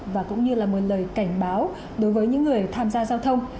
và cũng như là một lời cảnh báo đối với những người tham gia giao thông